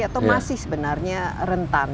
atau masih sebenarnya rentan